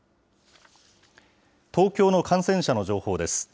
東京の感染者の情報です。